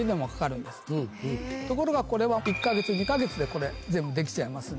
ところがこれは１か月２か月でこれ全部できちゃいますんで。